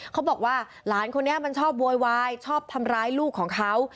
เขาบอกว่าหลานคนนี้มันชอบโวยวายชอบทำร้ายลูกของเขา